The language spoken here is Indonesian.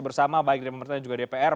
baik dari pemerintah juga dpr